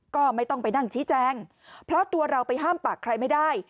ก็ไม่ต้องไปนั่งชี้แจงเพราะตัวเราไปห้ามปากใครไม่ได้